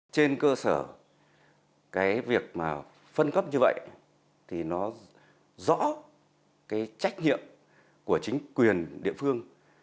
trên cơ sở cái việc mà phân cấp như vậy thì nó rõ cái trách nhiệm của chính quyền địa phương